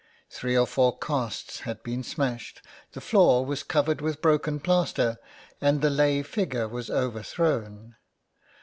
Three or four casts had been smashed, the floor was covered with broken plaster, and the lay figure was overthrown.